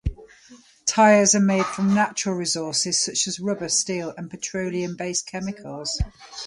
Tires are made from natural resources such as rubber, steel, and petroleum-based chemicals.